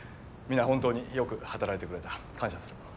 皆本当によく働いてくれた感謝する。